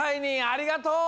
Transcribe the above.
ありがとう！